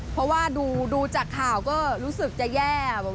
เพราะว่าดูจากข่าวก็รู้สึกจะแย่